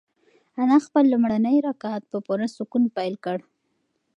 انا خپل لومړی رکعت په پوره سکون پیل کړ.